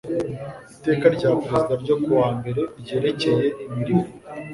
iteka rya perezida ryo ku wa mbere ryerekeye imirimo